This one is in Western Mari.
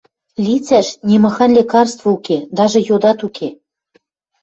— Лицӓш нимахань лекарство уке, дажы йодат уке.